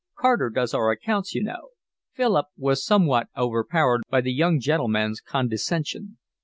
Carter does our accounts, you know." Philip was somewhat overpowered by the young gentleman's condescension.